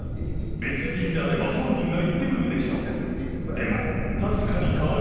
別人であれば本人が言ってくるでしょう。